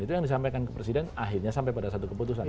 itu yang disampaikan ke presiden akhirnya sampai pada satu keputusan